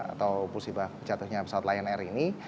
atau musibah jatuhnya pesawat lion air ini